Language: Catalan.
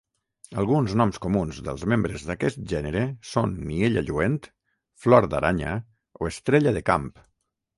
Alguns noms comuns dels membres d'aquest gènere són niella lluent, flor d'aranya o estrella de camp.